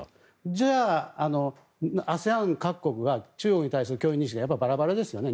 じゃあ、ＡＳＥＡＮ各国が中国に対する脅威認識バラバラですよね。